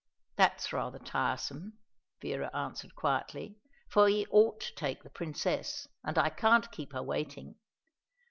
"That's rather tiresome," Vera answered quietly, "for he ought to take the Princess, and I can't keep her waiting.